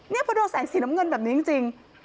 นี่พอโดนแสงสีน้ำเงินแบบนี้จริง